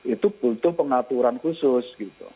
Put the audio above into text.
itu butuh pengaturan khusus